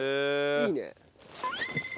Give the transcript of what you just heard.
いいね。